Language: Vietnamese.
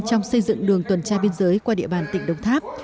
trong xây dựng đường tuần tra biên giới qua địa bàn tỉnh đồng tháp